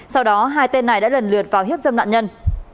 sau đó hai tên này đã lần lượt vào hiếp dâm nạn nhân